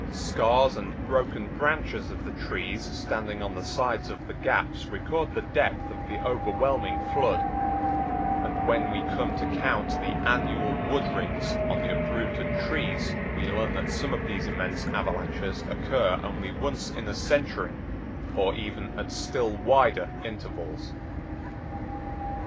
Scars and broken branches of the trees standing on the sides of the gaps record the depth of the overwhelming flood; and when we come to count the annual wood rings on the uprooted trees we learn that some of these immense avalanches occur only once in a century or even at still wider intervals.